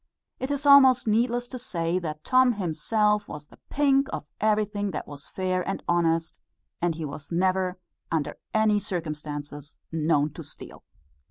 It is almost needless to say that Tom himself was the pink of everything that was fair and honest; he was never, under any circumstances, known to steal.